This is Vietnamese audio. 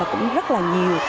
cũng rất là nhiều